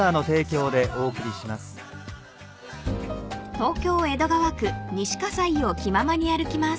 ［東京江戸川区西葛西を気ままに歩きます］